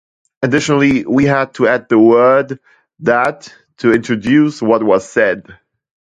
Additionally, we need to add the word "that" to introduce what was said.